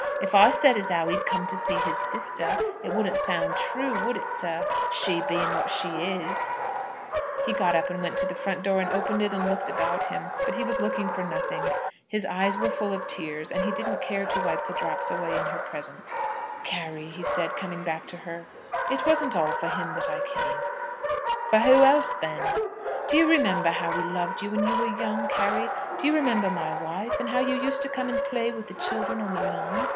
If I said as how he'd come to see his sister, it wouldn't sound true, would it, sir, she being what she is?" He got up and went to the front door, and opened it, and looked about him. But he was looking for nothing. His eyes were full of tears, and he didn't care to wipe the drops away in her presence. "Carry," he said, coming back to her, "it wasn't all for him that I came." [Illustration: "Carry," he said, coming back to her, "it wasn't all for him that I came."] "For who else, then?" "Do you remember how we loved you when you were young, Carry? Do you remember my wife, and how you used to come and play with the children on the lawn?